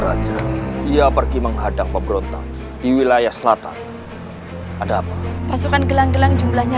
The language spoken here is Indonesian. raja dia pergi menghadang pemberontak di wilayah selatan ada apa pasukan gelang gelang jumlahnya